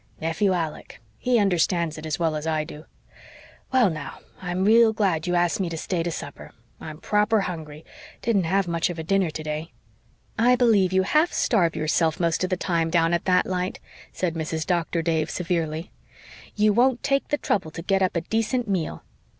"Nephew Alec. He understands it as well as I do. Well, now, I'm real glad you asked me to stay to supper. I'm proper hungry didn't have much of a dinner today." "I believe you half starve yourself most of the time down at that light," said Mrs. Doctor Dave severely. "You won't take the trouble to get up a decent meal."